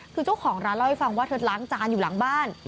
คือเจ้าของร้านเล่าให้ฟังว่าเธอล้างจานอยู่หลังบ้าน